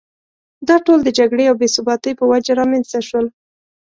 دا ټول د جګړې او بې ثباتۍ په وجه رامېنځته شول.